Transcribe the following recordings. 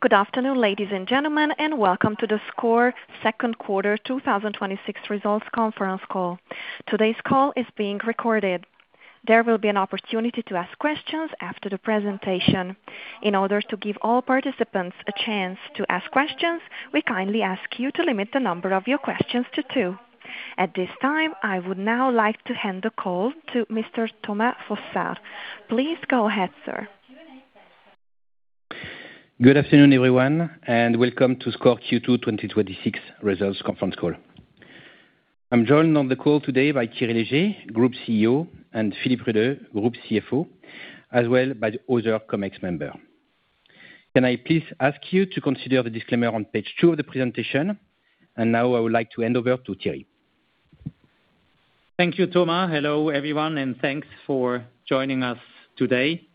Good afternoon, ladies and gentlemen, and welcome to the SCOR second quarter 2026 results conference call. Today's call is being recorded. There will be an opportunity to ask questions after the presentation. In order to give all participants a chance to ask questions, we kindly ask you to limit the number of your questions to two. At this time, I would now like to hand the call to Mr. Thomas Fossard. Please go ahead, sir. Good afternoon, everyone, and welcome to SCOR Q2 2026 results conference call. I am joined on the call today by Thierry Léger, Group CEO, and Philipp Rüede, Group CFO, as well as by the other Comex member. Can I please ask you to consider the disclaimer on page two of the presentation? Now I would like to hand over to Thierry. Thank you, Thomas. Hello, everyone, and thanks for joining us today.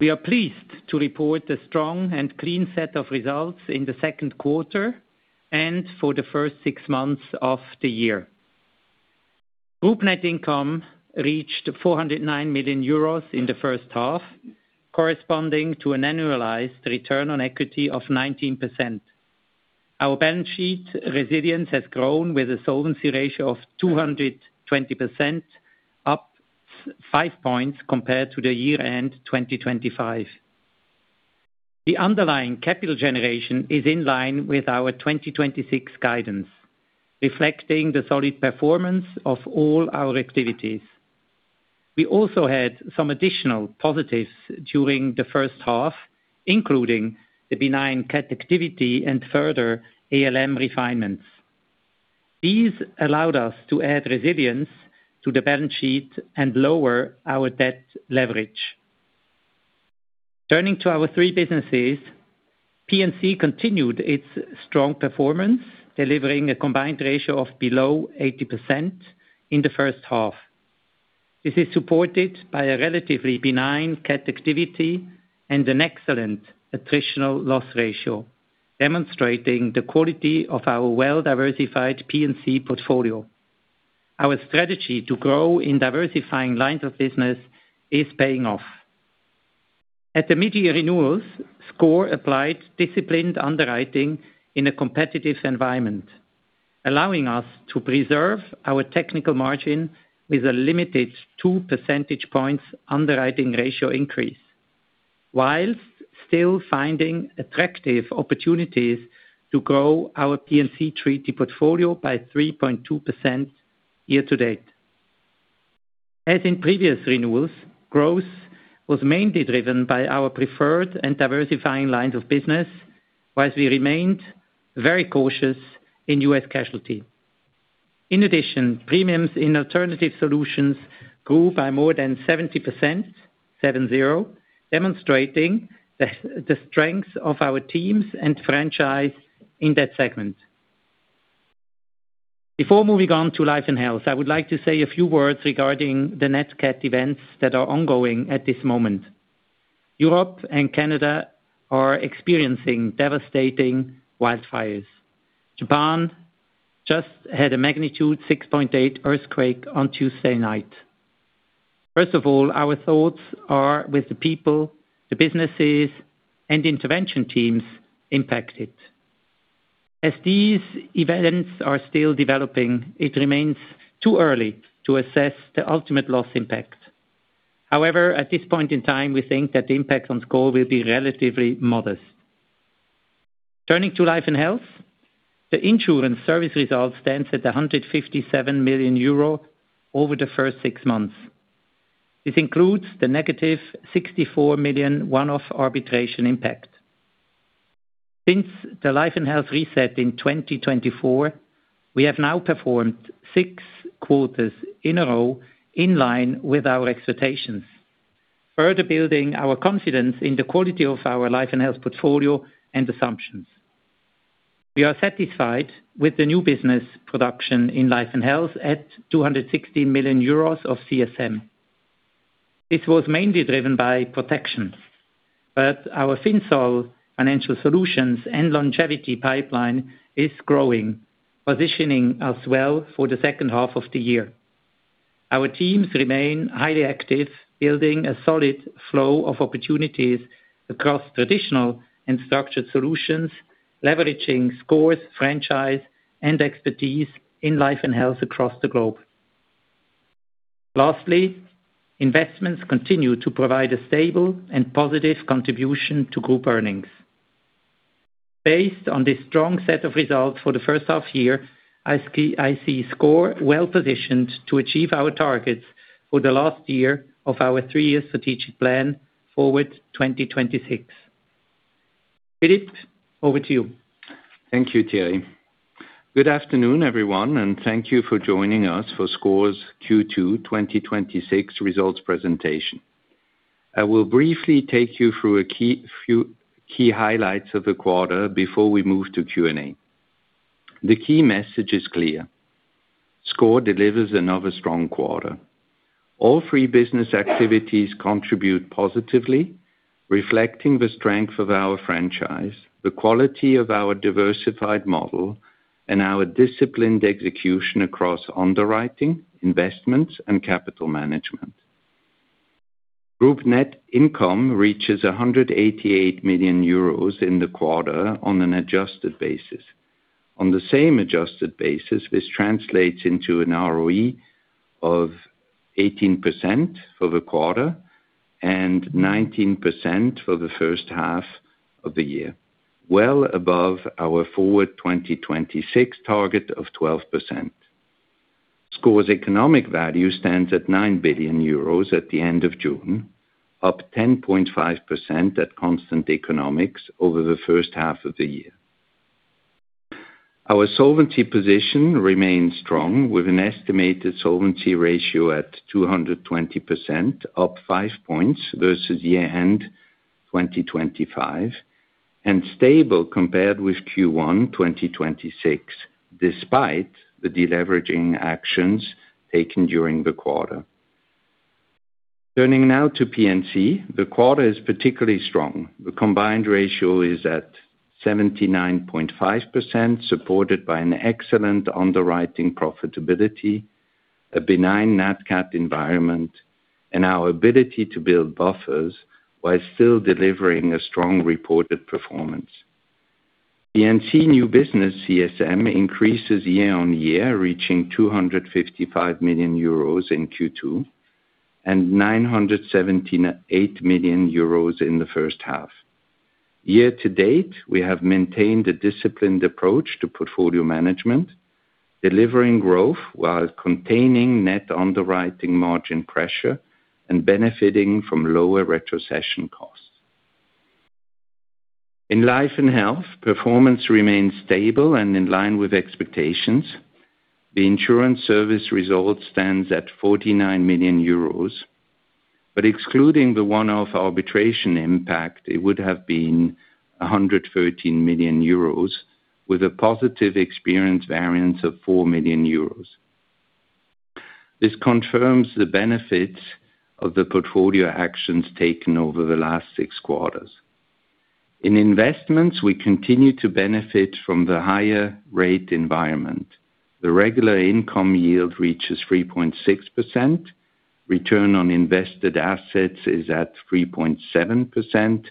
We are pleased to report a strong and clean set of results in the second quarter and for the first six months of the year. Group net income reached 409 million euros in the first half, corresponding to an annualized return on equity of 19%. Our balance sheet resilience has grown with a solvency ratio of 220%, up 5 points compared to the year-end 2025. The underlying capital generation is in line with our 2026 guidance, reflecting the solid performance of all our activities. We also had some additional positives during the first half, including the benign cat activity and further ALM refinements. These allowed us to add resilience to the balance sheet and lower our debt leverage. Turning to our three businesses, P&C continued its strong performance, delivering a combined ratio of below 80% in the first half. This is supported by a relatively benign cat activity and an excellent attritional loss ratio, demonstrating the quality of our well-diversified P&C portfolio. Our strategy to grow in diversifying lines of business is paying off. At the mid-year renewals, SCOR applied disciplined underwriting in a competitive environment, allowing us to preserve our technical margin with a limited 2 percentage points underwriting ratio increase, whilst still finding attractive opportunities to grow our P&C treaty portfolio by 3.2% year-to-date. As in previous renewals, growth was mainly driven by our preferred and diversifying lines of business, whilst we remained very cautious in U.S. casualty. In addition, premiums in Alternative Solutions grew by more than 70%, seven zero, demonstrating the strength of our teams and franchise in that segment. Before moving on to Life & Health, I would like to say a few words regarding the Nat Cat events that are ongoing at this moment. Europe and Canada are experiencing devastating wildfires. Japan just had a magnitude 6.8 earthquake on Tuesday night. First of all, our thoughts are with the people, the businesses, and intervention teams impacted. As these events are still developing, it remains too early to assess the ultimate loss impact. However, at this point in time, we think that the impact on SCOR will be relatively modest. Turning to Life & Health, the insurance service result stands at 157 million euro over the first six months. This includes the -64 million one-off arbitration impact. Since the Life & Health reset in 2024, we have now performed six quarters in a row in line with our expectations, further building our confidence in the quality of our Life & Health portfolio and assumptions. We are satisfied with the new business production in Life & Health at 260 million euros of CSM. This was mainly driven by protections, but our FinSol financial solutions and longevity pipeline is growing, positioning us well for the second half of the year. Our teams remain highly active, building a solid flow of opportunities across traditional and structured solutions, leveraging SCOR's franchise and expertise in Life & Health across the globe. Lastly, investments continue to provide a stable and positive contribution to group earnings. Based on this strong set of results for the first half year, I see SCOR well positioned to achieve our targets for the last year of our three-year strategic plan, Forward 2026. Philipp, over to you. Thank you, Thierry. Good afternoon, everyone, and thank you for joining us for SCOR's Q2 2026 results presentation. I will briefly take you through a few key highlights of the quarter before we move to Q&A. The key message is clear, SCOR delivers another strong quarter. All three business activities contribute positively, reflecting the strength of our franchise, the quality of our diversified model, and our disciplined execution across underwriting, investments, and capital management. Group net income reaches 188 million euros in the quarter on an adjusted basis. On the same adjusted basis, this translates into an ROE of 18% for the quarter and 19% for the first half of the year, well above our Forward 2026 target of 12%. SCOR's economic value stands at 9 billion euros at the end of June, up 10.5% at constant economics over the first half of the year. Our solvency position remains strong, with an estimated solvency ratio at 220%, up 5 points versus year-end 2025 and stable compared with Q1 2026, despite the deleveraging actions taken during the quarter. Turning now to P&C, the quarter is particularly strong. The combined ratio is at 79.5%, supported by an excellent underwriting profitability, a benign Nat Cat environment and our ability to build buffers while still delivering a strong reported performance. P&C new business CSM increases year-on-year, reaching 255 million euros in Q2 and 978 million euros in the first half. Year-to-date, we have maintained a disciplined approach to portfolio management, delivering growth while containing net underwriting margin pressure and benefiting from lower retrocession costs. In Life & Health, performance remains stable and in line with expectations. The insurance service result stands at 49 million euros. Excluding the one-off arbitration impact, it would have been 113 million euros with a positive experience variance of 4 million euros. This confirms the benefits of the portfolio actions taken over the last six quarters. In investments, we continue to benefit from the higher rate environment. The regular income yield reaches 3.6%, return on invested assets is at 3.7%,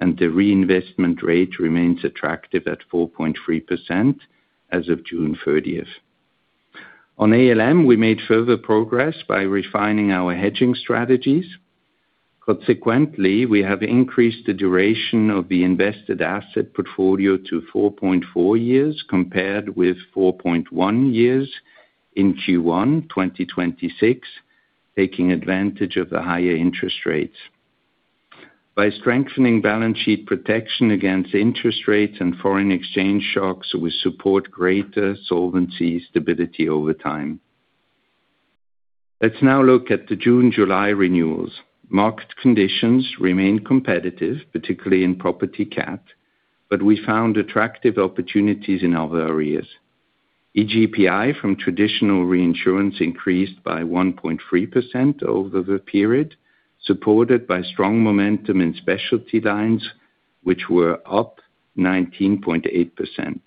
and the reinvestment rate remains attractive at 4.3% as of June 30th. On ALM, we made further progress by refining our hedging strategies. Consequently, we have increased the duration of the invested asset portfolio to 4.4 years, compared with 4.1 years in Q1 2026, taking advantage of the higher interest rates. By strengthening balance sheet protection against interest rates and foreign exchange shocks, we support greater solvency stability over time. Let's now look at the June, July renewals. Market conditions remain competitive, particularly in property cat. We found attractive opportunities in other areas. EGPI from traditional reinsurance increased by 1.3% over the period, supported by strong momentum in Specialty Lines, which were up 19.8%.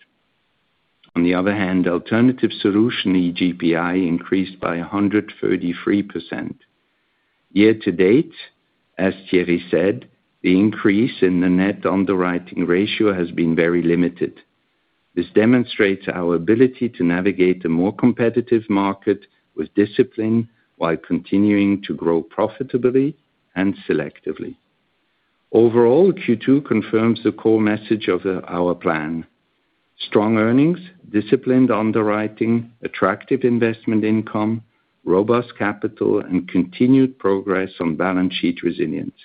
On the other hand, Alternative Solutions EGPI increased by 133%. Year-to-date, as Thierry said, the increase in the net underwriting ratio has been very limited. This demonstrates our ability to navigate a more competitive market with discipline while continuing to grow profitably and selectively. Overall, Q2 confirms the core message of our plan. Strong earnings, disciplined underwriting, attractive investment income, robust capital and continued progress on balance sheet resilience.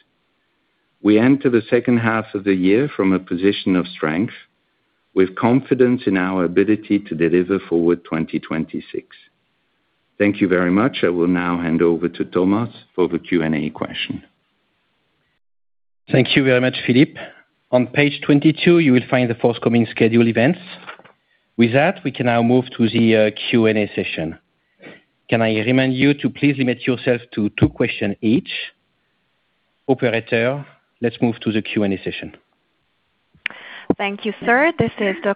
We enter the second half of the year from a position of strength with confidence in our ability to deliver Forward 2026. Thank you very much, I will now hand over to Thomas for the Q&A question. Thank you very much, Philipp. On page 22, you will find the forthcoming schedule events. With that, we can now move to the Q&A session. Can I remind you to please limit yourself to two question each. Operator, let's move to the Q&A session. Thank you, sir. This is the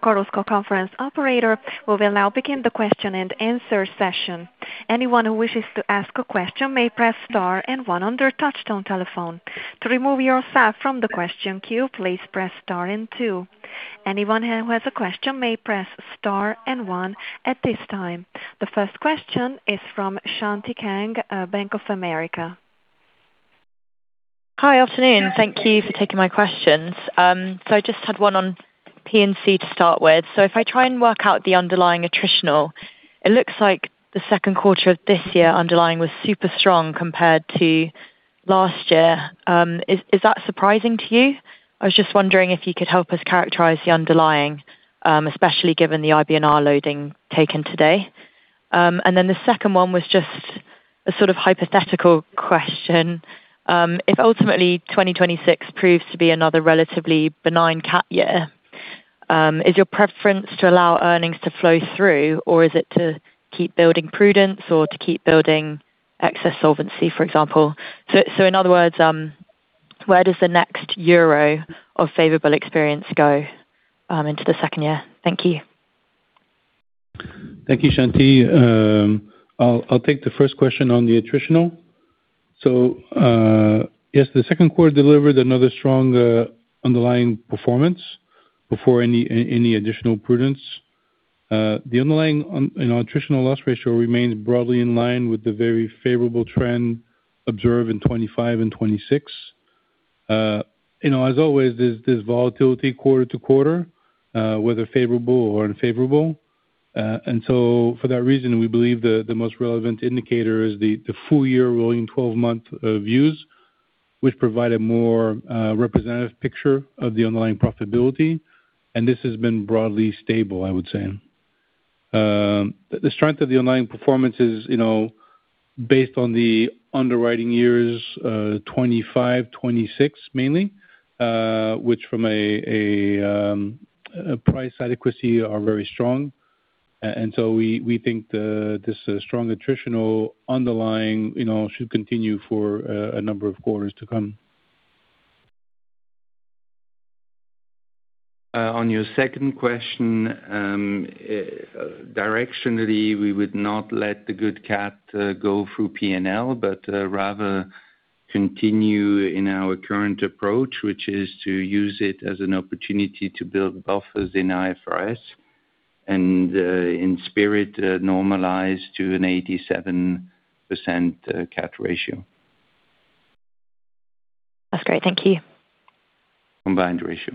conference operator. We will now begin the question-and-answer session. Anyone who wishes to ask a question may press star and one on their touch-tone telephone. To remove yourself from the question queue, please press star and two. Anyone who has a question may press star and one at this time. The first question is from Shanti Kang, Bank of America. Hi, afternoon. Thank you for taking my questions. I just had one on P&C to start with. If I try and work out the underlying attritional, it looks like the second quarter of this year underlying was super strong compared to last year. Is that surprising to you? I was just wondering if you could help us characterize the underlying, especially given the IBNR loading taken today. The second one was just a sort of hypothetical question. If ultimately 2026 proves to be another relatively benign cat year, is your preference to allow earnings to flow through, or is it to keep building prudence or to keep building excess solvency, for example? In other words, where does the next euro of favorable experience go into the second year? Thank you. Thank you, Shanti. I'll take the first question on the attritional. Yes, the second quarter delivered another strong underlying performance before any additional prudence. The underlying attritional loss ratio remains broadly in line with the very favorable trend observed in 2025 and 2026. As always, there's volatility quarter-to-quarter, whether favorable or unfavorable. For that reason, we believe the most relevant indicator is the full-year rolling 12-month views, which provide a more representative picture of the underlying profitability. This has been broadly stable, I would say. The strength of the underlying performance is based on the underwriting years 2025, 2026 mainly, which from a price adequacy are very strong. We think this strong attritional underlying should continue for a number of quarters to come. On your second question, directionally, we would not let the good cat go through P&L, but rather continue in our current approach, which is to use it as an opportunity to build buffers in IFRS. In spirit, normalize to an 87% combined ratio. That's great. Thank you. The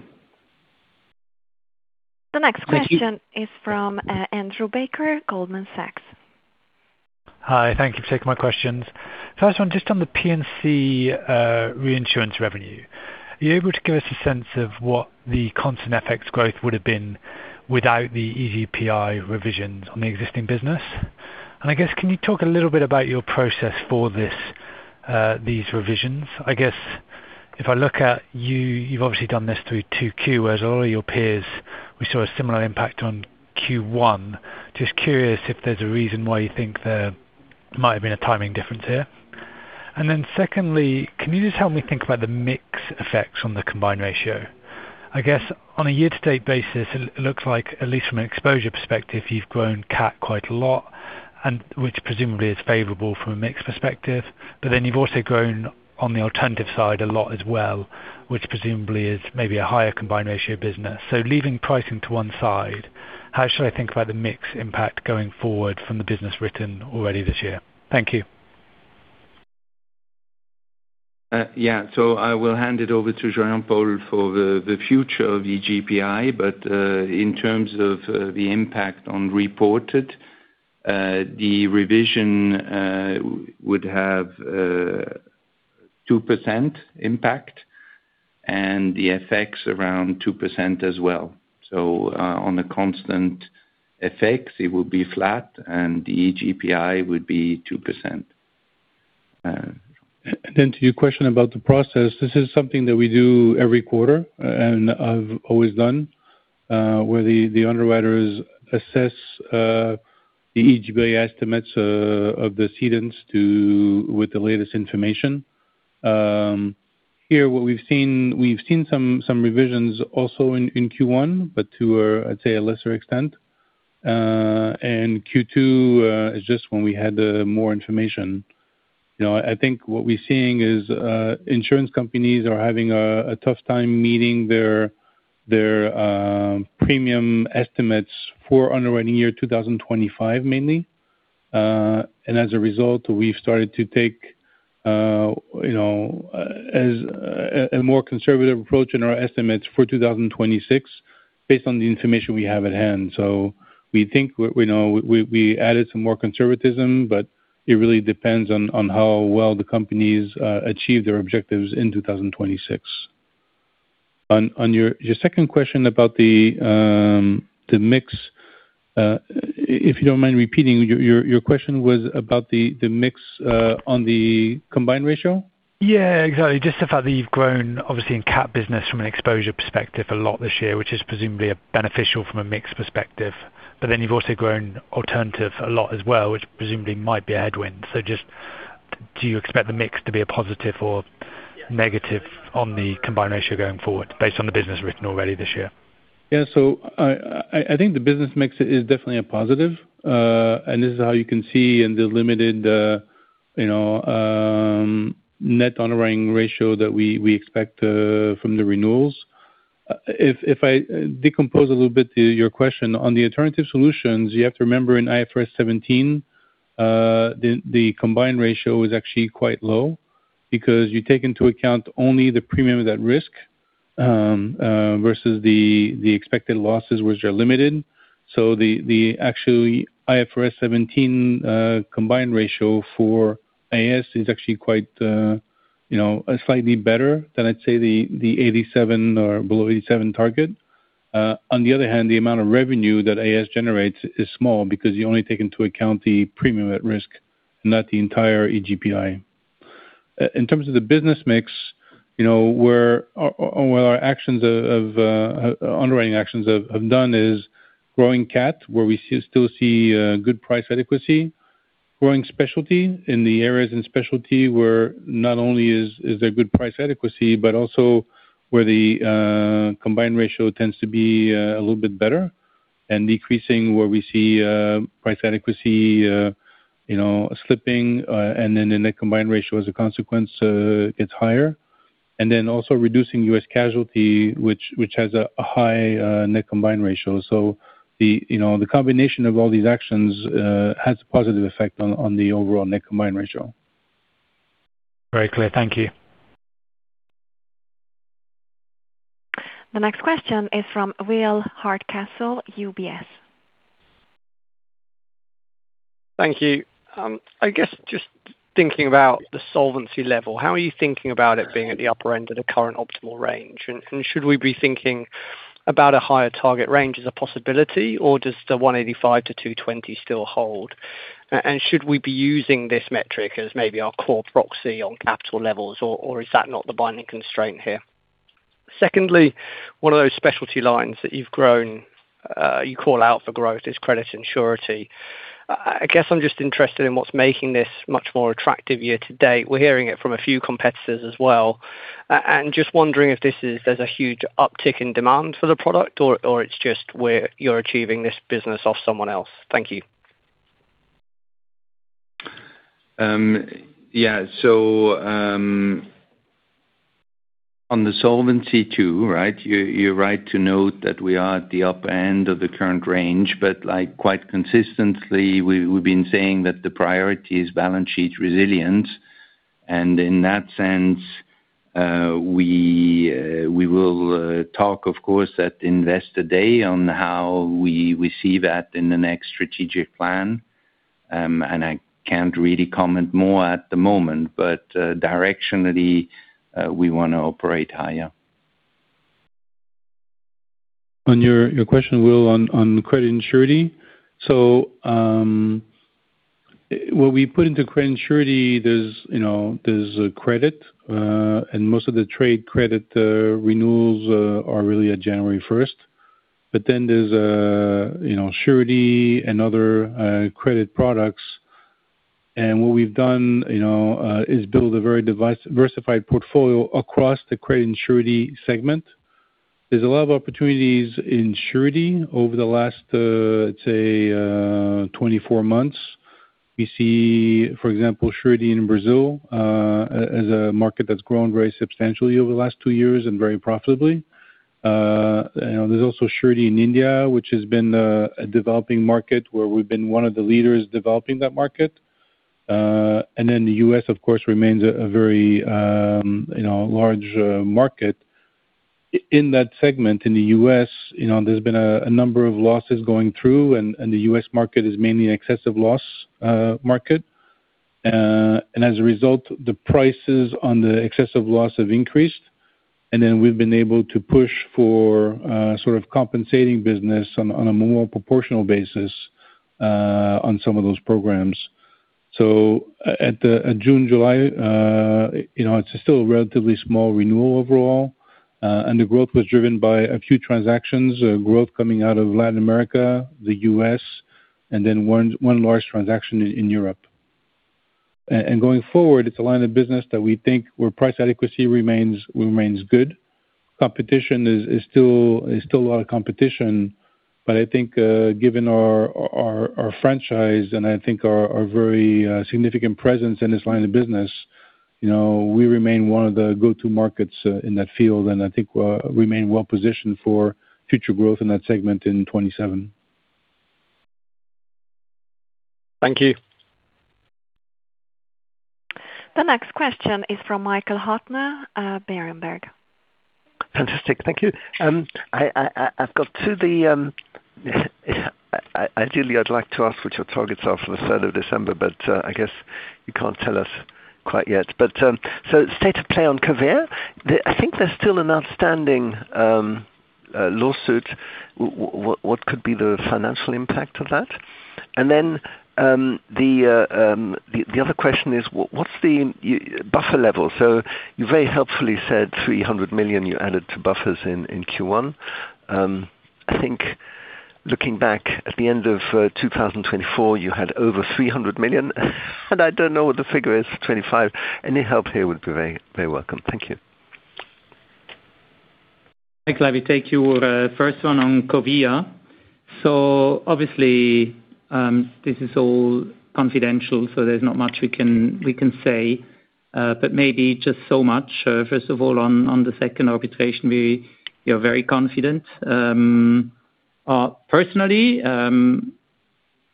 next question is from Andrew Baker, Goldman Sachs. Hi. Thank you for taking my questions. First one, just on the P&C reinsurance revenue. Are you able to give us a sense of what the constant FX growth would have been without the EGPI revisions on the existing business? I guess, can you talk a little bit about your process for these revisions? I guess if I look at you've obviously done this through 2Q, whereas a lot of your peers, we saw a similar impact on Q1. Just curious if there's a reason why you think there might have been a timing difference here. Secondly, can you just help me think about the mix effects on the combined ratio? I guess on a year-to-date basis, it looks like, at least from an exposure perspective, you've grown cat quite a lot, which presumably is favorable from a mix perspective. You've also grown on the alternative side a lot as well, which presumably is maybe a higher combined ratio business. Leaving pricing to one side, how should I think about the mix impact going forward from the business written already this year? Thank you. Yeah. I will hand it over to Jean-Paul for the future of EGPI. In terms of the impact on reported, the revision would have 2% impact and the FX around 2% as well. On the constant FX, it would be flat, and the EGPI would be 2%. To your question about the process, this is something that we do every quarter, have always done, where the underwriters assess the EGPI estimates of the cedents with the latest information. We've seen some revisions also in Q1, but to, I'd say, a lesser extent. Q2 is just when we had more information. What we're seeing is insurance companies are having a tough time meeting their premium estimates for underwriting year 2025, mainly. As a result, we've started to take a more conservative approach in our estimates for 2026 based on the information we have at hand. We think we added some more conservatism, but it really depends on how well the companies achieve their objectives in 2026. On your second question about the mix, if you don't mind repeating, your question was about the mix on the combined ratio? Exactly. Just the fact that you've grown, obviously, in cat business from an exposure perspective a lot this year, which is presumably beneficial from a mix perspective. You've also grown Alternative Solutions a lot as well, which presumably might be a headwind. Do you expect the mix to be a positive or negative on the combined ratio going forward based on the business written already this year? The business mix is definitely a positive, and this is how you can see in the limited net underwriting ratio that we expect from the renewals. I decompose a little bit to your question on the Alternative Solutions, you have to remember in IFRS 17, the combined ratio is actually quite low because you take into account only the premium at risk versus the expected losses, which are limited. The actual IFRS 17 combined ratio for AS is actually quite slightly better than, I'd say, the 87% or below 87% target. The amount of revenue that AS generates is small because you only take into account the premium at risk, not the entire EGPI. In terms of the business mix, what our underwriting actions have done is growing cat, where we still see good price adequacy. Growing Specialty in the areas in Specialty where not only is there good price adequacy, but also where the combined ratio tends to be a little bit better. Decreasing where we see price adequacy slipping, the net combined ratio as a consequence gets higher. Also reducing U.S. casualty, which has a high net combined ratio. The combination of all these actions has a positive effect on the overall net combined ratio. Very clear, thank you. The next question is from Will Hardcastle, UBS. Thank you. I guess just thinking about the solvency level, how are you thinking about it being at the upper end of the current optimal range? Should we be thinking about a higher target range as a possibility, or does the 185%-220% still hold? Should we be using this metric as maybe our core proxy on capital levels, or is that not the binding constraint here? Secondly, one of those Specialty Lines that you've grown, you call out for growth is credit and surety. I guess I'm just interested in what's making this much more attractive year-to-date. We're hearing it from a few competitors as well. Just wondering if there's a huge uptick in demand for the product, or it's just where you're achieving this business off someone else. Thank you. Yeah. On the Solvency II, you're right to note that we are at the upper end of the current range. Quite consistently, we've been saying that the priority is balance sheet resilience. In that sense, we will talk, of course, at Investor Day on how we see that in the next strategic plan. I can't really comment more at the moment, but directionally, we want to operate higher. On your question, Will, on credit and surety. What we put into credit and surety, there's credit, and most of the trade credit renewals are really at January 1st. There's surety and other credit products. What we've done is build a very diversified portfolio across the credit and surety segment. There's a lot of opportunities in surety over the last, let's say, 24 months. We see, for example, surety in Brazil, as a market that's grown very substantially over the last two years and very profitably. There's also surety in India, which has been a developing market where we've been one of the leaders developing that market. The U.S., of course, remains a very large market. In that segment in the U.S., there's been a number of losses going through, and the U.S. market is mainly an excess of loss market. As a result, the prices on the excess of loss have increased. We've been able to push for sort of compensating business on a more proportional basis on some of those programs. At June, July, it's still a relatively small renewal overall. The growth was driven by a few transactions, growth coming out of Latin America, the U.S., and then one large transaction in Europe. Going forward, it's a line of business that we think where price adequacy remains good. There's still a lot of competition, but I think given our franchise and I think our very significant presence in this line of business, we remain one of the go-to markets in that field, and I think we remain well-positioned for future growth in that segment in 2027. Thank you. The next question is from Michael Huttner, Berenberg. Fantastic, thank you. Ideally, I'd like to ask what your targets are for December 3rd, but I guess you can't tell us quite yet. State of play on Covéa. I think there's still an outstanding lawsuit. What could be the financial impact of that? The other question is what's the buffer level? You very helpfully said 300 million you added to buffers in Q1. I think looking back at the end of 2024, you had over 300 million, and I don't know what the figure is 2025. Any help here would be very welcome. Thank you. I can gladly take your first one on Covéa. Obviously, this is all confidential, so there's not much we can say, but maybe just so much. First of all, on the second arbitration, we are very confident. Personally,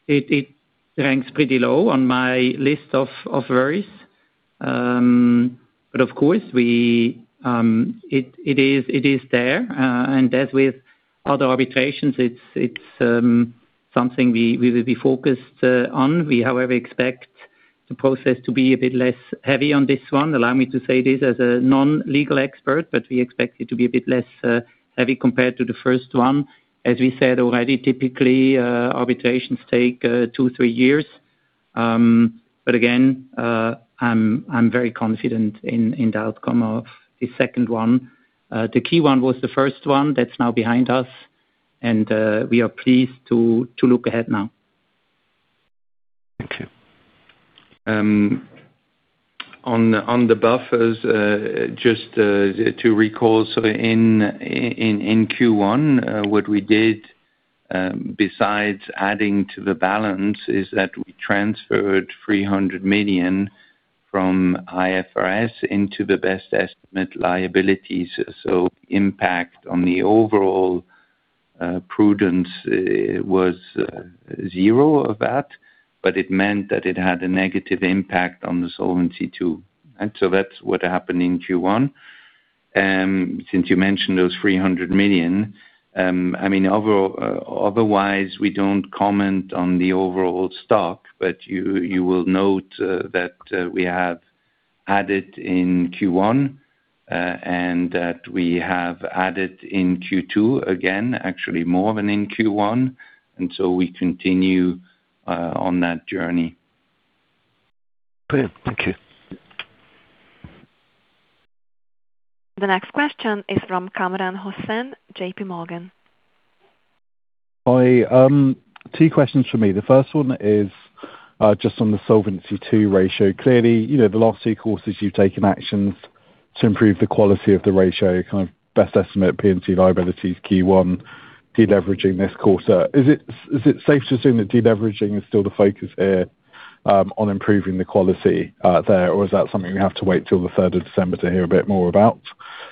it ranks pretty low on my list of worries. Of course, it is there. As with other arbitrations, it's something we will be focused on. We, however, expect the process to be a bit less heavy on this one. Allow me to say this as a non-legal expert, but we expect it to be a bit less heavy compared to the first one. As we said already, typically, arbitrations take two, three years. Again, I'm very confident in the outcome of the second one. The key one was the first one. That's now behind us. We are pleased to look ahead now. Thank you. On the buffers, just to recall. In Q1, what we did besides adding to the balance, is that we transferred 300 million from IFRS into the best estimate liabilities. Impact on the overall prudence was zero of that, but it meant that it had a negative impact on the Solvency II. That's what happened in Q1. Since you mentioned those 300 million, overall, otherwise we don't comment on the overall stock, but you will note that we have added in Q1, and that we have added in Q2, again, actually more than in Q1. We continue on that journey. Clear. Thank you. The next question is from Kamran Hossain, JPMorgan. Hi, two questions from me. The first one is just on the Solvency II ratio. Clearly, the last two quarters you've taken actions to improve the quality of the ratio, kind of best estimate P&C liabilities, Q1, de-leveraging this quarter. Is it safe to assume that de-leveraging is still the focus here, on improving the quality there? Or is that something we have to wait till December 3rd to hear a bit more about?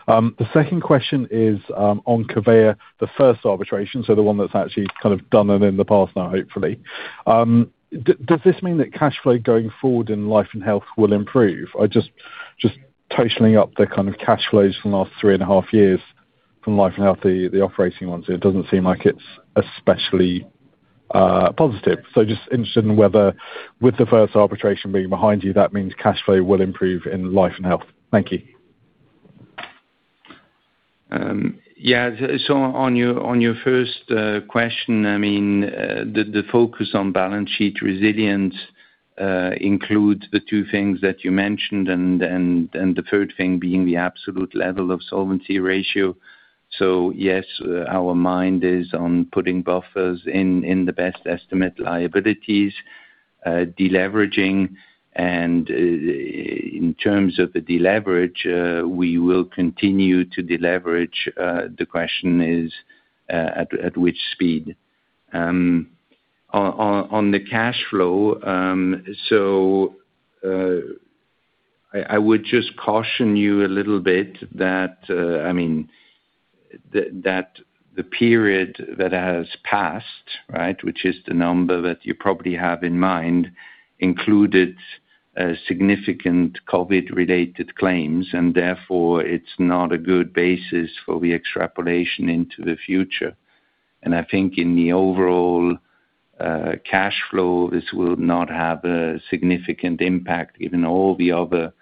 The second question is on Covéa, the first arbitration, so the one that's actually kind of done and in the past now, hopefully. Does this mean that cash flow going forward in Life & Health will improve? Just totaling up the kind of cash flows from the last 3.5 years from Life & Health, the operating ones, it doesn't seem like it's especially positive. Just interested in whether, with the first arbitration being behind you, that means cash flow will improve in Life & Health. Thank you. Yeah. On your first question, the focus on balance sheet resilience includes the two things that you mentioned and the third thing being the absolute level of Solvency II ratio. Yes, our mind is on putting buffers in the best estimate liabilities, de-leveraging, and in terms of the de-leverage, we will continue to de-leverage. The question is at which speed. On the cash flow, I would just caution you a little bit that the period that has passed, which is the number that you probably have in mind, included significant COVID-related claims, and therefore, it's not a good basis for the extrapolation into the future. I think in the overall cash flow, this will not have a significant impact, given all the other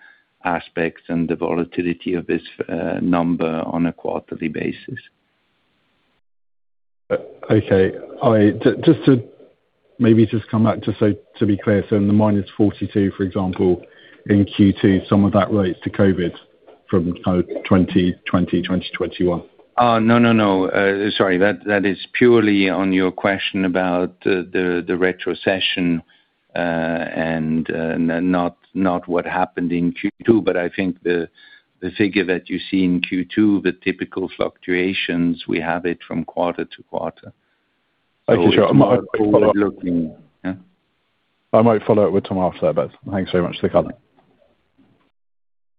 aspects and the volatility of this number on a quarterly basis. Okay. Just to maybe just come back, just to be clear. In the -42, for example, in Q2, some of that relates to COVID from 2020, 2021. No, sorry. That is purely on your question about the retrocession and not what happened in Q2. I think the figure that you see in Q2, the typical fluctuations, we have it from quarter-to-quarter. Thank you. Sure. Yeah. I might follow up with Thomas after that. Thanks very much. Take care.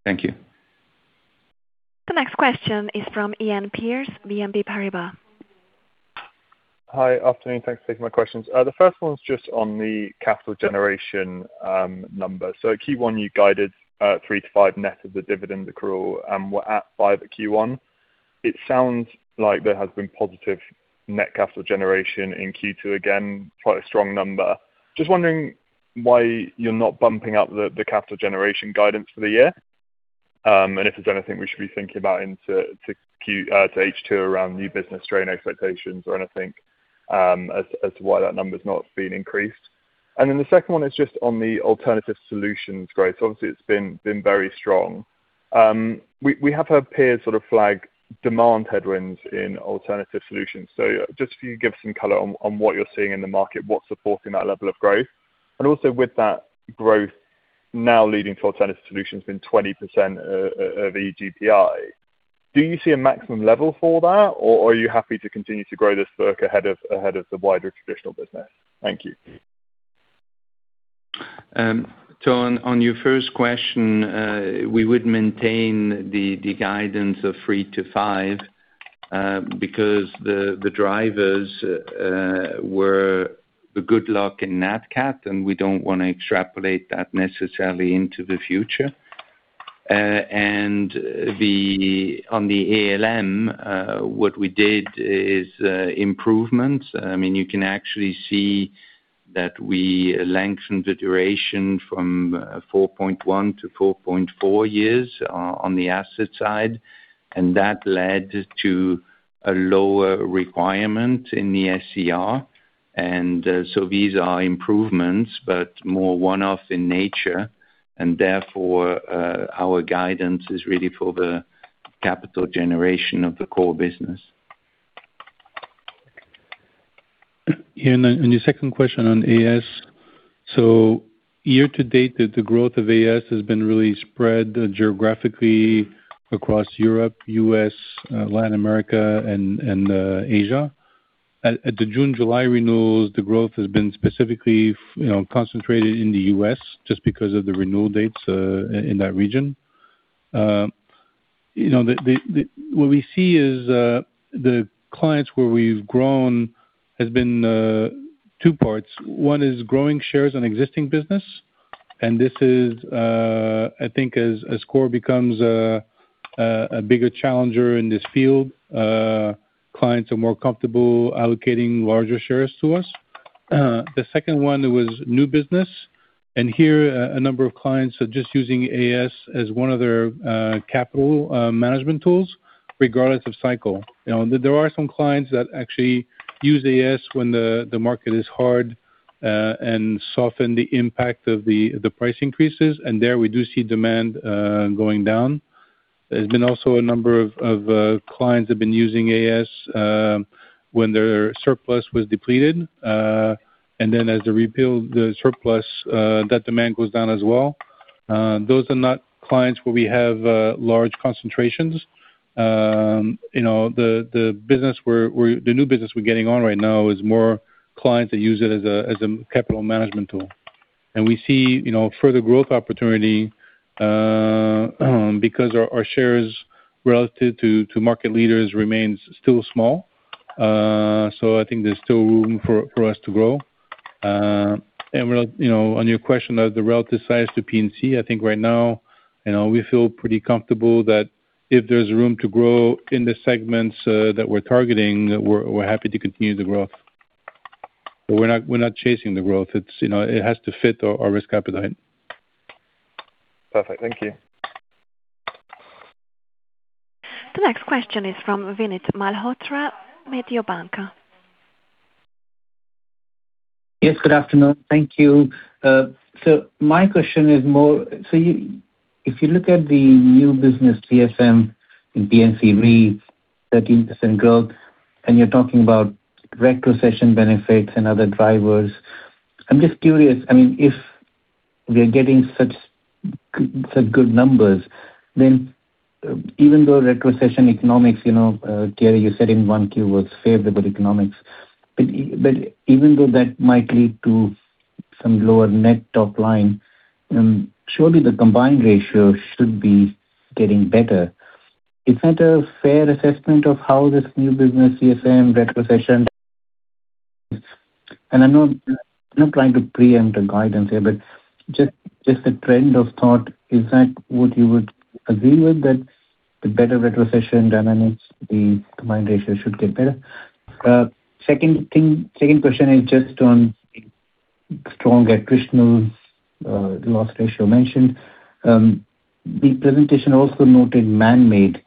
Thank you. The next question is from Iain Pearce, BNP Paribas. Hi. Afternoon, thanks for taking my questions. The first one's just on the capital generation number. At Q1, you guided 3-5 net of the dividend accrual and were at 5 at Q1. It sounds like there has been positive net capital generation in Q2 again, quite a strong number. Just wondering why you're not bumping up the capital generation guidance for the year. If there's anything we should be thinking about to H2 around new business strain expectations or anything, as to why that number's not been increased. The second one is just on the Alternative Solutions growth. Obviously, it's been very strong. We have heard peers sort of flag demand headwinds in Alternative Solutions. Just if you could give some color on what you're seeing in the market, what's supporting that level of growth. Also with that growth now leading to Alternative Solutions being 20% of EGPI. Do you see a maximum level for that, or are you happy to continue to grow this book ahead of the wider traditional business? Thank you. On your first question, we would maintain the guidance of 3-5, because the drivers were the good luck in Nat Cat. We don't want to extrapolate that necessarily into the future. On the ALM, what we did is improvements. You can actually see that we lengthened the duration from 4.1-4.4 years on the asset side, and that led to a lower requirement in the SCR. These are improvements, but more one-off in nature. Therefore, our guidance is really for the capital generation of the core business. On your second question on AS, year-to-date, the growth of AS has been really spread geographically across Europe, U.S., Latin America, and Asia. At the June, July renewals, the growth has been specifically concentrated in the U.S. just because of the renewal dates in that region. What we see is the clients where we've grown has been two parts. One is growing shares on existing business, and this is, I think as SCOR becomes a bigger challenger in this field, clients are more comfortable allocating larger shares to us. The second one was new business, and here, a number of clients are just using AS as one of their capital management tools, regardless of cycle. There are some clients that actually use AS when the market is hard and soften the impact of the price increases. There we do see demand going down. There's been also a number of clients that have been using AS when their surplus was depleted. As they rebuild the surplus, that demand goes down as well. Those are not clients where we have large concentrations. The new business we're getting on right now is more clients that use it as a capital management tool. We see further growth opportunity because our shares relative to market leaders remains still small. I think there's still room for us to grow. On your question, the relative size to P&C, I think right now, we feel pretty comfortable that if there's room to grow in the segments that we're targeting, we're happy to continue the growth. We're not chasing the growth. It has to fit our risk appetite. Perfect. Thank you. The next question is from Vinit Malhotra, Mediobanca. Good afternoon, thank you. My question is more, if you look at the new business CSM in P&C Re, 13% growth, and you're talking about retrocession benefits and other drivers, I'm just curious, if we are getting such good numbers, even though retrocession economics, you said in 1Q was favorable economics. Even though that might lead to some lower net top line, surely the combined ratio should be getting better. Is that a fair assessment of how this new business CSM retrocession? I'm not trying to preempt the guidance here, just a trend of thought. Is that what you would agree with that the better retrocession dynamics, the combined ratio should get better? Second question is just on strong attritional loss ratio mentioned. The presentation also noted man-made.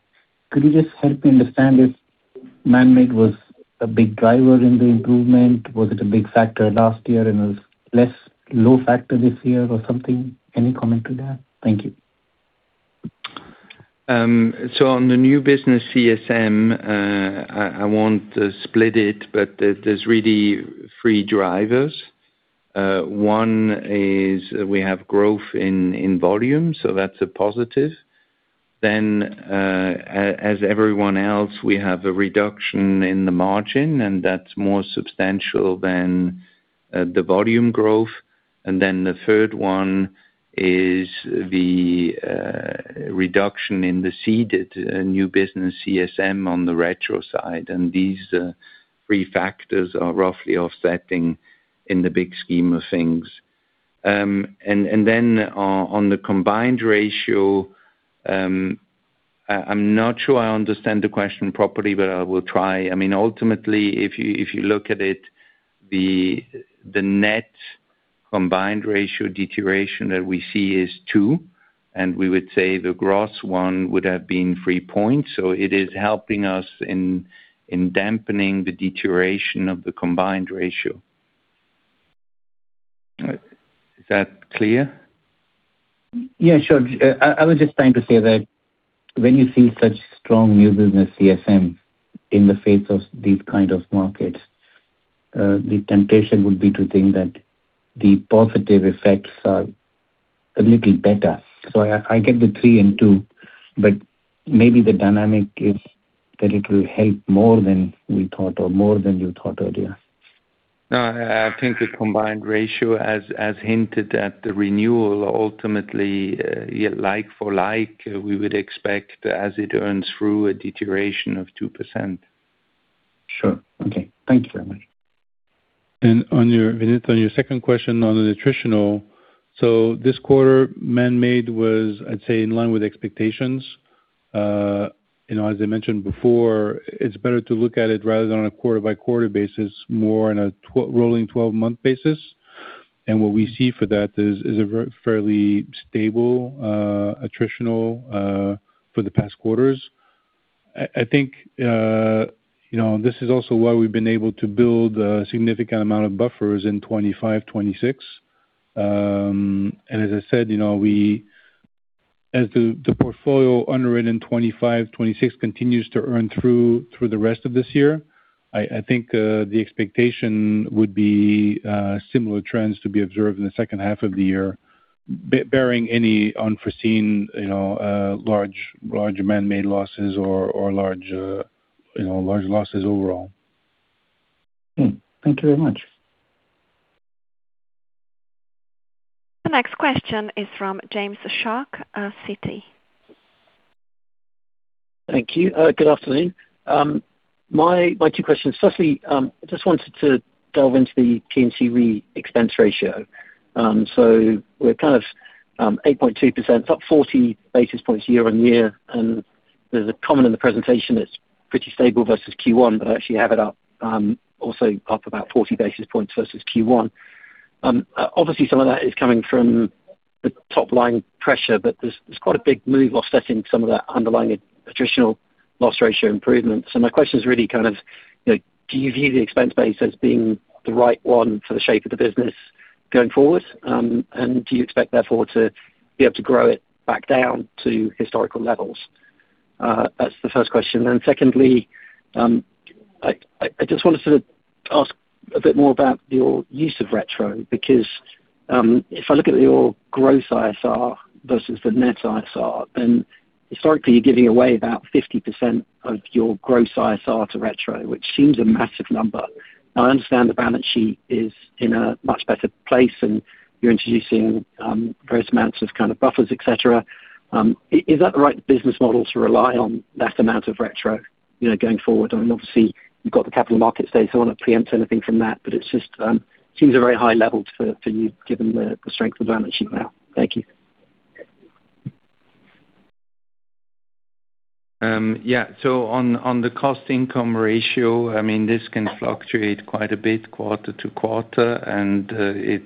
Could you just help me understand if man-made was a big driver in the improvement? Was it a big factor last year and was less low factor this year or something? Any comment to that? Thank you. On the new business CSM, I won't split it, there's really three drivers. One is we have growth in volume, that's a positive. As everyone else, we have a reduction in the margin, that's more substantial than the volume growth. The third one is the reduction in the ceded new business CSM on the retro side. These three factors are roughly offsetting in the big scheme of things. On the combined ratio, I'm not sure I understand the question properly, I will try. Ultimately, if you look at it, the net combined ratio deterioration that we see is 2 points, we would say the gross one would have been 3 points. It is helping us in dampening the deterioration of the combined ratio. Is that clear? Yeah, sure. I was just trying to say that when you see such strong new business CSM in the face of these kind of markets, the temptation would be to think that the positive effects are a little better. I get the 3 and 2, maybe the dynamic is that it will help more than we thought or more than you thought earlier. No, I think the combined ratio as hinted at the renewal, ultimately, like for like, we would expect as it earns through a deterioration of 2%. Sure. Okay, thank you very much. Vinit, on your second question on the attritional, this quarter, man-made was, I'd say, in line with expectations. As I mentioned before, it's better to look at it rather than on a quarter-by-quarter basis, more on a rolling 12-month basis. What we see for that is a fairly stable attritional for the past quarters. I think this is also why we've been able to build a significant amount of buffers in 2025, 2026. As I said, the portfolio underwritten 2025, 2026 continues to earn through the rest of this year, I think the expectation would be similar trends to be observed in the second half of the year, bearing any unforeseen large man-made losses or large losses overall. Thank you very much. The next question is from James Shuck of Citi. Thank you. Good afternoon. My two questions. Firstly, I just wanted to delve into the P&C Re expense ratio. We're kind of 8.2%, up 40 basis points year-over-year. There's a comment in the presentation that's pretty stable versus Q1, but I actually have it up also up about 40 basis points versus Q1. Obviously, some of that is coming from the top-line pressure, but there's quite a big move offsetting some of that underlying attritional loss ratio improvements. My question is really kind of, do you view the expense base as being the right one for the shape of the business going forward? Do you expect therefore to be able to grow it back down to historical levels? That's the first question. Secondly, I just wanted to ask a bit more about your use of retro because, if I look at your gross ISR versus the net ISR, historically you're giving away about 50% of your gross ISR to retro, which seems a massive number. I understand the balance sheet is in a much better place, and you're introducing gross amounts of kind of buffers, etc. Is that the right business model to rely on that amount of retro going forward? I mean, obviously you've got the capital markets data. I don't want to preempt anything from that, it just seems a very high level for you given the strength of the balance sheet now. Thank you. Yeah. On the cost income ratio, I mean, this can fluctuate quite a bit quarter-to-quarter,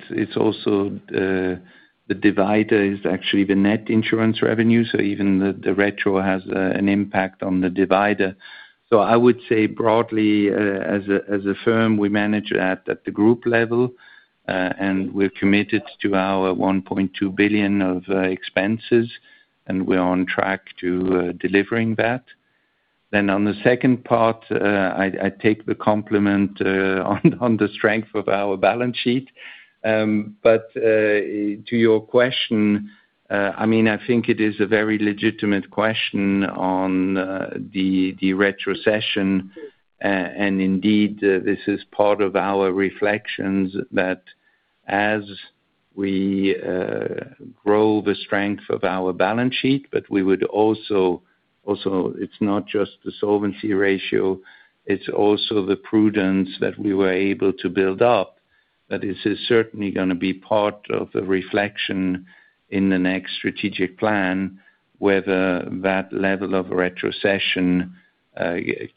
it's also the divider is actually the net insurance revenue. I would say broadly, as a firm, we manage at the group level, we're committed to our 1.2 billion of expenses, we're on track to delivering that. On the second part, I take the compliment on the strength of our balance sheet. To your question, I think it is a very legitimate question on the retrocession. Indeed, this is part of our reflections that as we grow the strength of our balance sheet, we would also, it's not just the solvency ratio, it's also the prudence that we were able to build up. That this is certainly going to be part of the reflection in the next strategic plan, whether that level of retrocession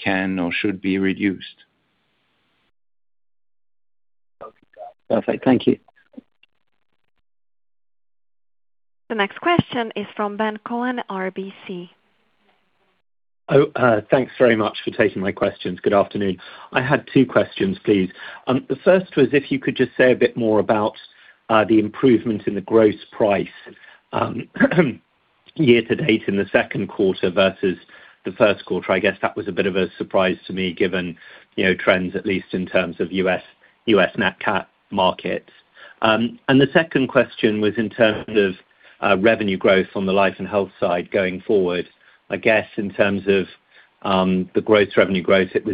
can or should be reduced. Perfect, thank you. The next question is from Ben Cohen, RBC. Thanks very much for taking my questions. Good afternoon. I had two questions, please. The first was if you could just say a bit more about the improvement in the gross price year-to-date in the second quarter versus the first quarter. I guess that was a bit of a surprise to me given trends, at least in terms of U.S. Nat Cat markets. The second question was in terms of revenue growth on the Life & Health side going forward. I guess in terms of the gross revenue growth, it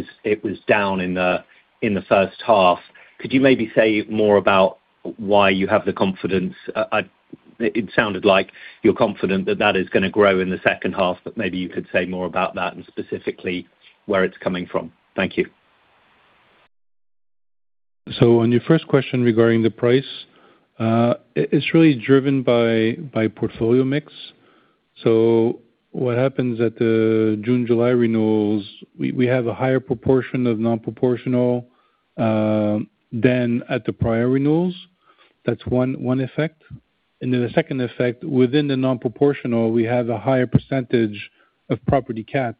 was down in the first half. Could you maybe say more about why you have the confidence? It sounded like you're confident that that is going to grow in the second half, but maybe you could say more about that and specifically where it's coming from. Thank you. On your first question regarding the price, it's really driven by portfolio mix. What happens at the June, July renewals, we have a higher proportion of non-proportional than at the prior renewals. That's one effect. The second effect, within the non-proportional, we have a higher percentage of property cat.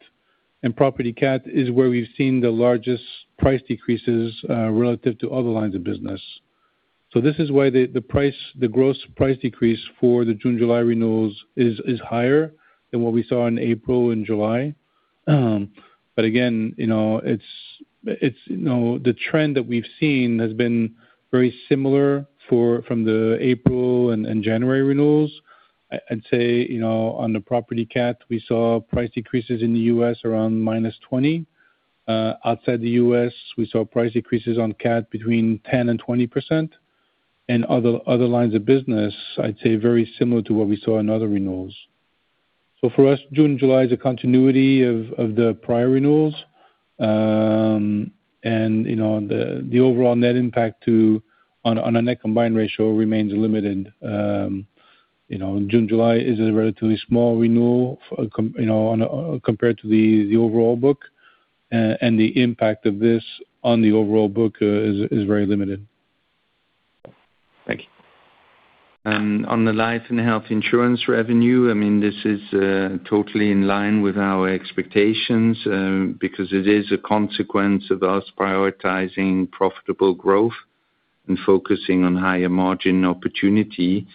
Property cat is where we've seen the largest price decreases relative to other lines of business. This is why the gross price decrease for the June, July renewals is higher than what we saw in April and July. Again, the trend that we've seen has been very similar from the April and January renewals. I'd say on the property cat, we saw price decreases in the U.S. around -20%. Outside the U.S., we saw price decreases on cat between 10%-20%. Other lines of business, I'd say very similar to what we saw in other renewals. For us, June, July is a continuity of the prior renewals. The overall net impact on a net combined ratio remains limited. June, July is a relatively small renewal compared to the overall book, and the impact of this on the overall book is very limited. Thank you. On the Life & Health insurance revenue, this is totally in line with our expectations because it is a consequence of us prioritizing profitable growth. Focusing on higher margin opportunity.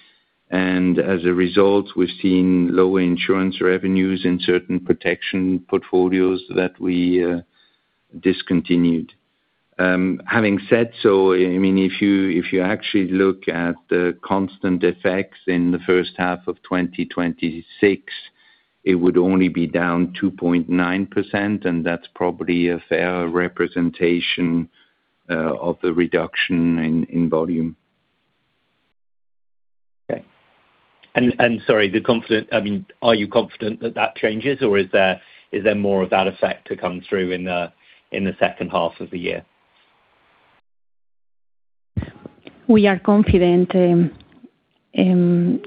As a result, we're seeing lower insurance revenues in certain protection portfolios that we discontinued. Having said so, if you actually look at the constant effects in the first half of 2026, it would only be down 2.9%. That's probably a fair representation of the reduction in volume. Okay. Sorry, are you confident that that changes or is there more of that effect to come through in the second half of the year? We are confident in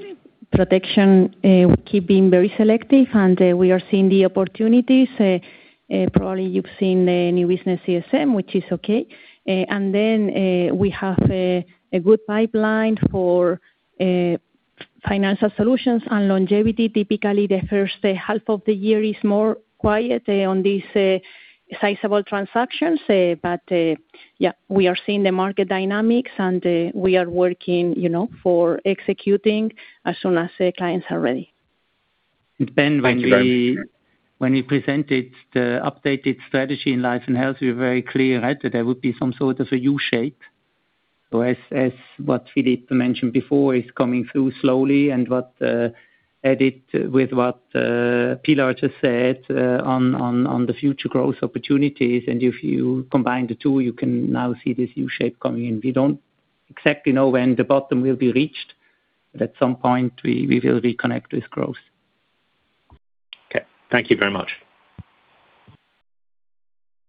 protection. We keep being very selective, and we are seeing the opportunities. Probably you've seen the new business CSM, which is okay. Then, we have a good pipeline for financial solutions and longevity. Typically, the first half of the year is more quiet on these sizable transactions. Yeah, we are seeing the market dynamics. We are working for executing as soon as the clients are ready. Thank you very much. When we presented the updated strategy in Life & Health, we were very clear that there would be some sort of a U-shape. As Philipp mentioned before, it's coming through slowly and what added with what Pilar just said on the future growth opportunities. If you combine the two, you can now see this U-shape coming in. We don't exactly know when the bottom will be reached, but at some point we will reconnect with growth. Okay. Thank you very much.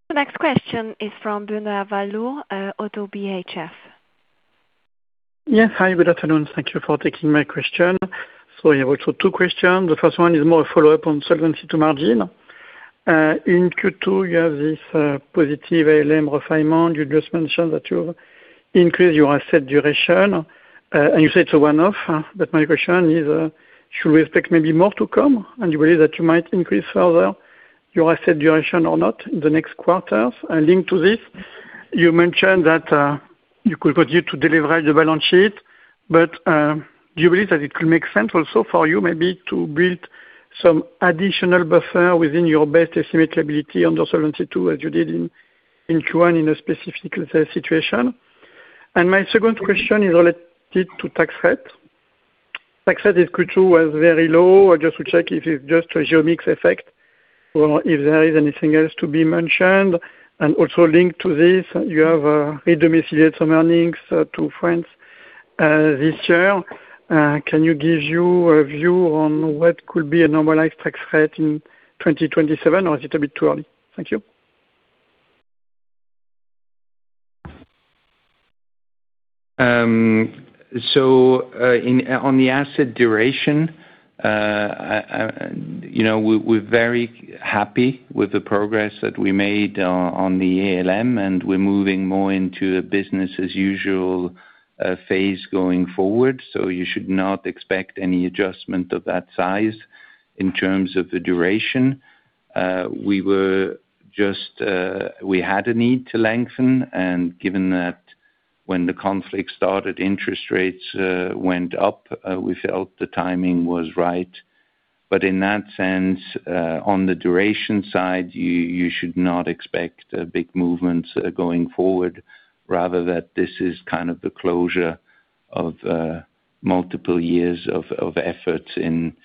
The next question is from Bruno Cavalier, ODDO BHF. Yes. Hi, good afternoon. Thank you for taking my question. I have also two questions. The first one is more a follow-up on Solvency II margin. In Q2, you have this positive ALM refinement. You just mentioned that you increased your asset duration, and you said it's a one-off, my question is, should we expect maybe more to come? You believe that you might increase further your asset duration or not in the next quarters? Linked to this, you mentioned that you could continue to de-leverage the balance sheet. Do you believe that it could make sense also for you maybe to build some additional buffer within your best estimate liabilities under Solvency II, as you did in Q1 in a specific situation? My second question is related to tax rate. Tax rate in Q2 was very low. Just to check if it's just a geo mix effect or if there is anything else to be mentioned. Also linked to this, you have redomiciled some earnings to France this year. Can you give your view on what could be a normalized tax rate in 2027? Is it a bit too early? Thank you. On the asset duration, we're very happy with the progress that we made on the ALM, and we're moving more into a business as usual phase going forward. You should not expect any adjustment of that size in terms of the duration. We had a need to lengthen, and given that when the conflict started, interest rates went up. We felt the timing was right. In that sense, on the duration side, you should not expect a big movement going forward. Rather that this is kind of the closure of multiple years of efforts in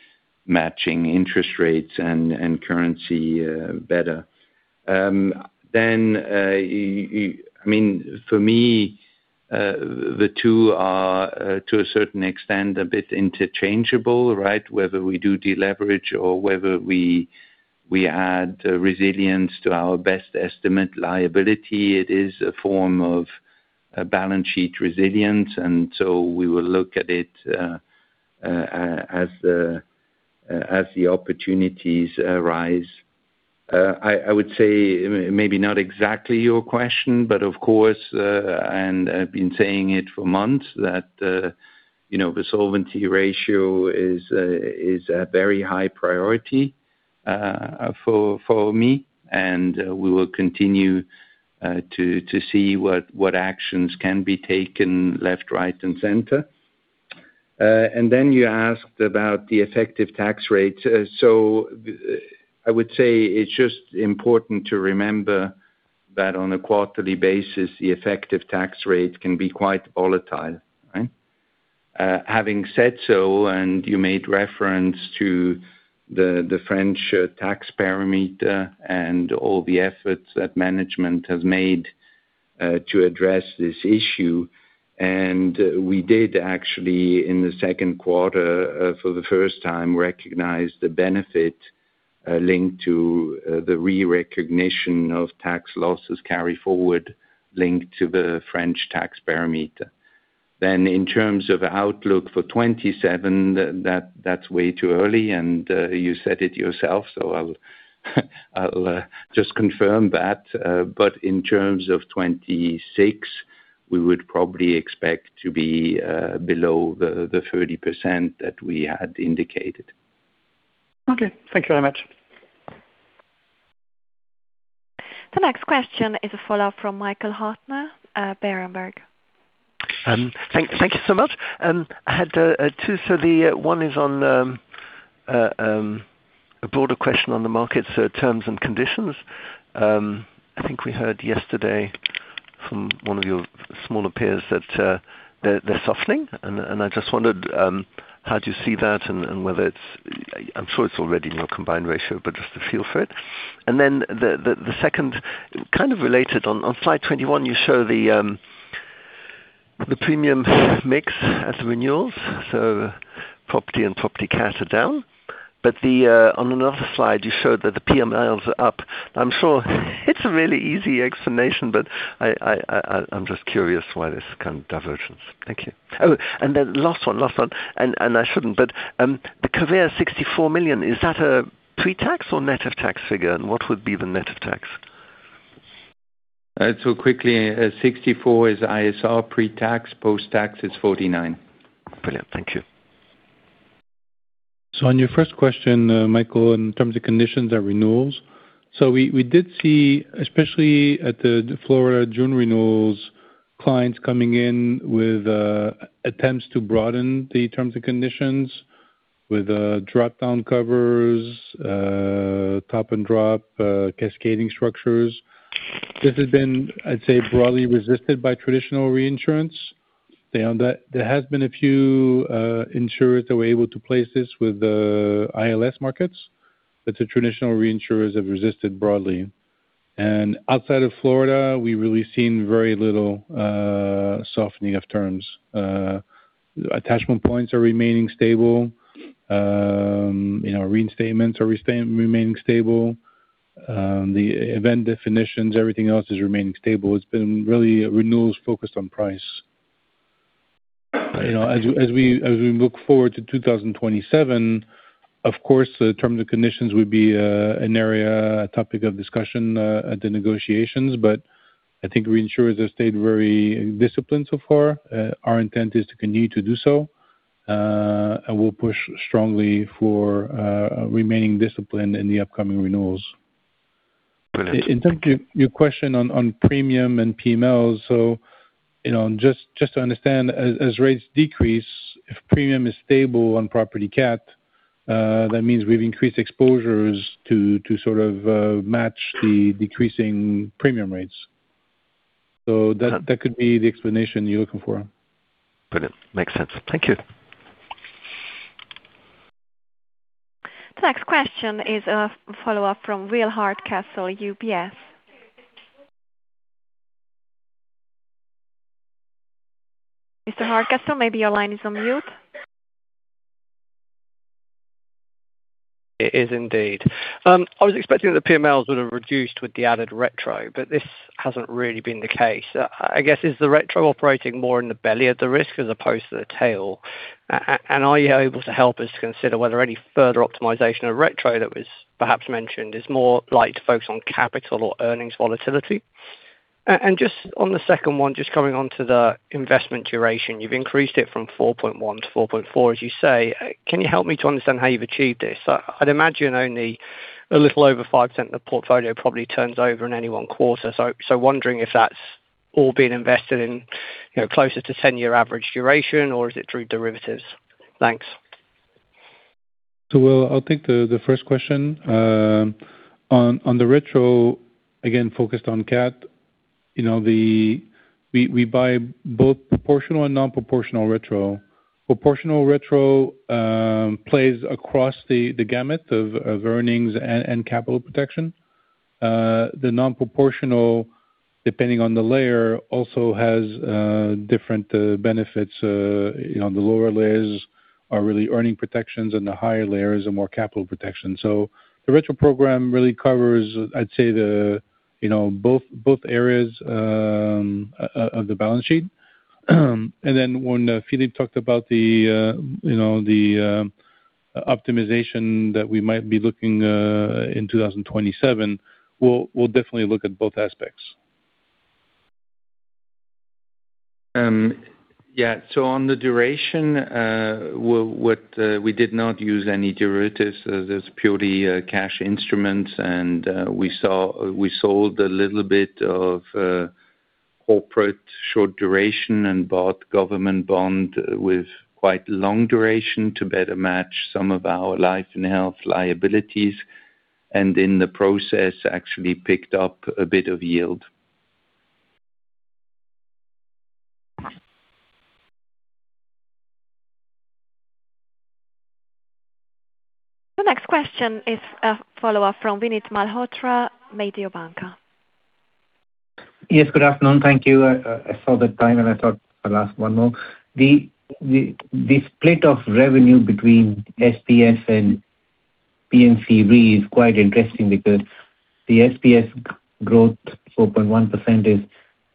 matching interest rates and currency better. For me, the two are, to a certain extent, a bit interchangeable, right? Whether we do de-leverage or whether we add resilience to our best estimate liability, it is a form of balance sheet resilience. We will look at it as the opportunities arise. I would say, maybe not exactly your question, but of course, and I've been saying it for months, that the solvency ratio is a very high priority for me. We will continue to see what actions can be taken left, right, and center. You asked about the effective tax rate. I would say it's just important to remember that on a quarterly basis, the effective tax rate can be quite volatile, right? Having said so, and you made reference to the French tax parameter and all the efforts that management has made to address this issue. We did actually, in the second quarter, for the first time, recognize the benefit linked to the re-recognition of tax losses carryforward linked to the French tax parameter. In terms of outlook for 2027, that's way too early and you said it yourself, so I'll just confirm that. In terms of 2026, we would probably expect to be below the 30% that we had indicated. Okay. Thank you very much. The next question is a follow-up from Michael Huttner, Berenberg. Thank you so much. I had two. The one is on a broader question on the market terms and conditions. I think we heard yesterday from one of your smaller peers that they're softening, and I just wondered how do you see that and whether I'm sure it's already in your combined ratio, but just a feel for it. The second, kind of related, on slide 21, you show the premium mix as renewals. Property and property cat are down. On another slide, you showed that the PMLs are up. I'm sure it's a really easy explanation, but I'm just curious why this kind of divergence. Thank you. Last one. I shouldn't, but the Covéa 64 million, is that a pre-tax or net of tax figure? And what would be the net of tax? Quickly, 64 is ISR pre-tax, post-tax is 49. Brilliant, thank you. On your first question, Michael, in terms of conditions at renewals. We did see, especially at the Florida June renewals, clients coming in with attempts to broaden the terms and conditions with drop-down covers, top-and-drop cascading structures. This has been, I'd say, broadly resisted by traditional reinsurance. There have been a few insurers that were able to place this with the ILS markets. The traditional reinsurers have resisted broadly. Outside of Florida, we've really seen very little softening of terms. Attachment points are remaining stable. Reinstatements are remaining stable. The event definitions, everything else is remaining stable. It's been really renewals focused on price. As we look forward to 2027, of course, the terms and conditions would be an area, a topic of discussion at the negotiations, I think reinsurers have stayed very disciplined so far. Our intent is to continue to do so. We'll push strongly for remaining disciplined in the upcoming renewals. Brilliant. In terms of your question on premium and PMLs. Just to understand, as rates decrease, if premium is stable on property cat, that means we've increased exposures to sort of match the decreasing premium rates. That could be the explanation you're looking for. Brilliant, makes sense. Thank you. The next question is a follow-up from Will Hardcastle, UBS. Mr. Hardcastle, maybe your line is on mute? It is indeed. I was expecting that the PMLs would have reduced with the added retro, but this hasn't really been the case. Are you able to help us consider whether any further optimization of retro that was perhaps mentioned is more likely to focus on capital or earnings volatility? Just on the second one, just coming onto the investment duration. You've increased it from 4.1-4.4, as you say. Can you help me to understand how you've achieved this? I'd imagine only a little over 5% of the portfolio probably turns over in any one quarter. So wondering if that's all been invested in closer to 10-year average duration, or is it through derivatives? Thanks. Will, I'll take the first question. On the retro, again focused on cat. We buy both proportional and non-proportional retro. Proportional retro plays across the gamut of earnings and capital protection. The non-proportional, depending on the layer, also has different benefits. The lower layers are really earning protections and the higher layers are more capital protection. The retro program really covers, I'd say, both areas of the balance sheet. When Philipp talked about the optimization that we might be looking in 2027, we'll definitely look at both aspects. On the duration, we did not use any derivatives. There's purely cash instruments. We sold a little bit of corporate short duration and bought government bond with quite long duration to better match some of our Life & Health liabilities. In the process, actually picked up a bit of yield. The next question is a follow-up from Vinit Malhotra, Mediobanca. Yes, good afternoon. Thank you. I saw the time, I thought I'd ask one more. The split of revenue between SBS and P&C Re is quite interesting because the SBS growth, 4.1%, is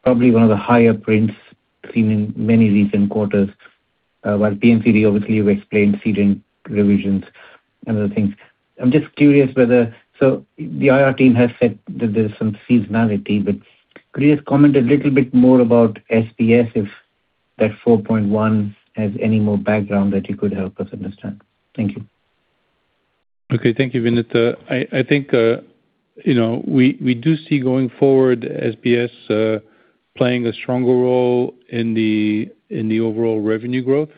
probably one of the higher prints seen in many recent quarters. P&C, obviously you've explained ceding revisions and other things. I'm just curious whether the IR team has said that there's some seasonality, could you just comment a little bit more about SBS if that 4.1% has any more background that you could help us understand. Thank you. Okay. Thank you, Vinit. I think we do see going forward SBS playing a stronger role in the overall revenue growth,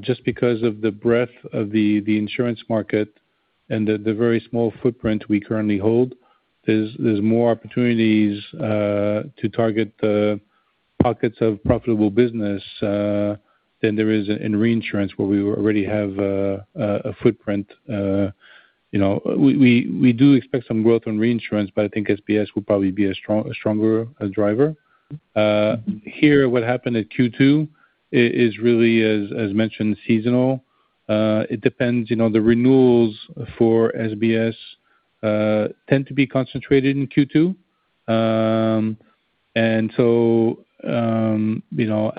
just because of the breadth of the insurance market and the very small footprint we currently hold. There's more opportunities to target the pockets of profitable business than there is in reinsurance, where we already have a footprint. We do expect some growth on reinsurance, I think SBS will probably be a stronger driver. Here, what happened at Q2 is really, as mentioned, seasonal. It depends, the renewals for SBS tend to be concentrated in Q2.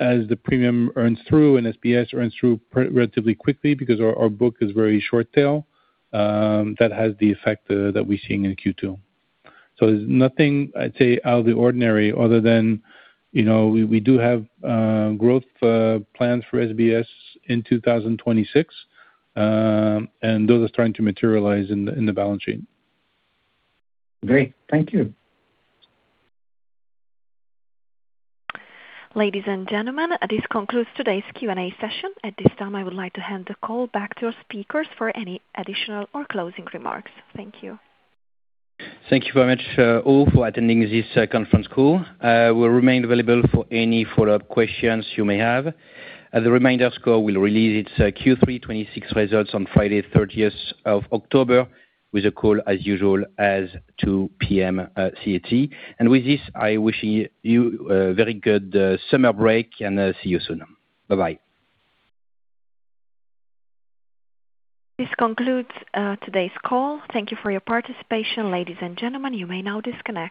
As the premium earns through and SBS earns through relatively quickly because our book is very short tail, that has the effect that we're seeing in Q2. There's nothing, I'd say, out of the ordinary other than we do have growth plans for SBS in 2026, and those are starting to materialize in the balance sheet. Great. Thank you. Ladies and gentlemen, this concludes today's Q&A session. At this time, I would like to hand the call back to our speakers for any additional or closing remarks. Thank you. Thank you very much all for attending this conference call. We'll remain available for any follow-up questions you may have. As a reminder, SCOR will release its Q3 2026 results on Friday, October 30th, with a call as usual at 2:00 P.M. CET. With this, I wish you a very good summer break, and see you soon. Bye-bye. This concludes today's call. Thank you for your participation. Ladies and gentlemen, you may now disconnect.